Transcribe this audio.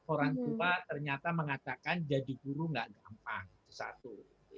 orang tua ternyata mengatakan jadi guru tidak gampang itu satu